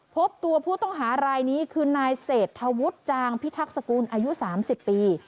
พบตัวผู้ต้องหารายนี้คือนายเศรษฐวุฒิจางพิทักษกุลอายุ๓๐ปี